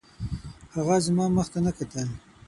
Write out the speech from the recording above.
هغه زما مخ ته نه کتل